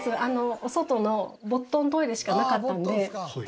お外のぼっとんトイレしかなかったので。